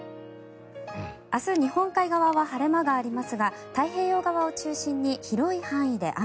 明日日本海側は晴れ間がありますが太平洋側を中心に広い範囲で雨。